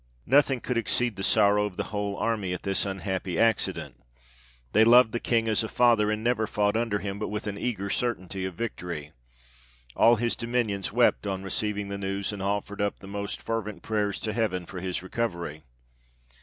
Nothing could exceed the sorrow of the whole army at this unhappy accident ; they loved the King as a father, and never fought under him but with an eager certainty of victory. All his dominions wept on receiving the news, and offered up the most fervent prayers to heaven for his recovery.